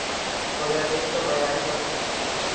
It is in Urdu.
بنگلہ دیش کا معیاری وقت